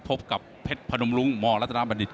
พบกับเผ็ดพนมรุงหมอรัฐนาบรรดิครับ